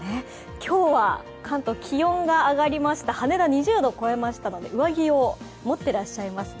今日は関東、気温が上がりました、羽田は２０度を超えましたので、上着を持っていらっしゃいますね。